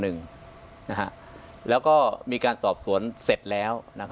อันดับที่สุดท้าย